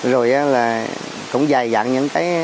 rồi là cũng dài dặn những cái